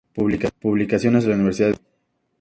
Publicaciones de la Universidad de Sevilla.